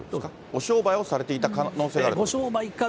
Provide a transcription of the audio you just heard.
お商売をされていた可能性があるということですか？